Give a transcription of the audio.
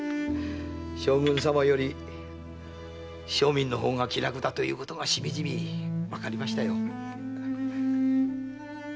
将軍様より庶民の方が気楽だということがしみじみわかりましたよ。